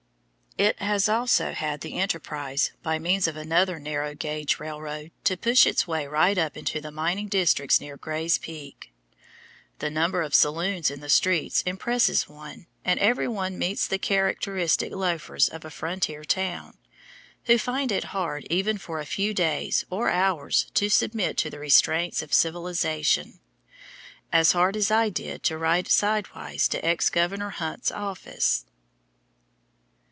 It has also had the enterprise, by means of another narrow gauge railroad, to push its way right up into the mining districts near Gray's Peak. The number of "saloons" in the streets impresses one, and everywhere one meets the characteristic loafers of a frontier town, who find it hard even for a few days or hours to submit to the restraints of civilization, as hard as I did to ride sidewise to Governor Hunt's office.